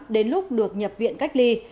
đến lúc được nhập viện cách ly